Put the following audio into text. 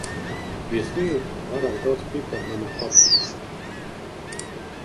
Viesmīli, pārāk daudz piparu manā paprikā.